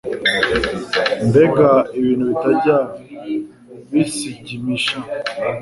mbega ibintu bitajya bisgimisha